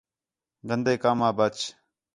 گندے کَم آ ٻچ